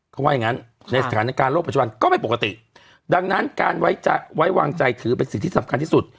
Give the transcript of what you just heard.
เขาว่าอย่างงั้นในสถานการณ์โลกปัจจุบันก็ไม่ปกติดังนั้นการไว้วางใจถือเป็นสิ่งที่สำคัญที่สุด